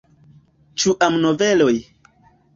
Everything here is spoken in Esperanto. Ĉu amnoveloj?